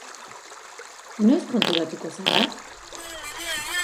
Noiz konturatuko zara?